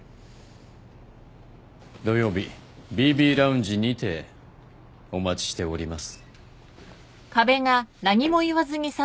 土曜日ＢＢＬｏｕｎｇｅにてお待ちしております。